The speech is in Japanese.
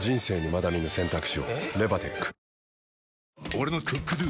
俺の「ＣｏｏｋＤｏ」！